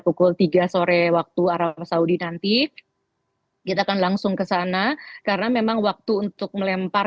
pukul tiga sore waktu arab saudi nanti kita akan langsung kesana karena memang waktu untuk melempar